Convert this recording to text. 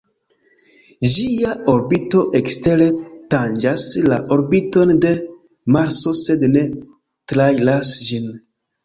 Ĝia orbito ekstere tanĝas la orbiton de Marso sed ne trairas ĝin.